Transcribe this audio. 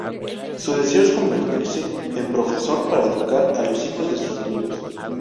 Su deseo es convertirse en profesor para educar a los hijos de sus amigos.